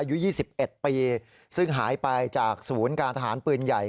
อายุ๒๑ปีซึ่งหายไปจากศูนย์การทหารปืนใหญ่